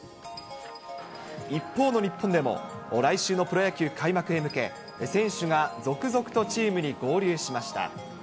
一方の日本でも、来週のプロ野球開幕へ向け、選手が続々とチームに合流しました。